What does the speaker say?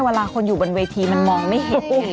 เวลาคนอยู่บนเวทีมันมองไม่เห็นไง